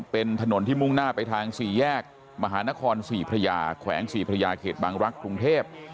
เป็นถนนที่มุ่งหน้าไปทางสี่แยกมหานครศรีพระยาแขวงศรีพระยาเขตบางรักษ์กรุงเทพ